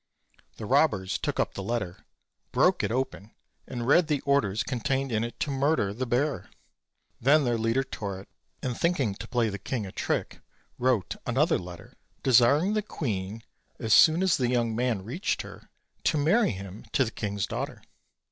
The robbers took up the letter, broke it open, and read the orders contained in it to murder the bearer. Then their leader tore it, and, thinking to play the king a trick, wrote another letter, desiring the queen, as soon as the young man reached her, to marry him to the king's daughter.